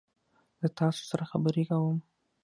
زه تاسو سره خبرې کوم.